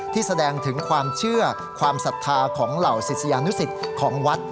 แสดงถึงความเชื่อความศรัทธาของเหล่าศิษยานุสิตของวัด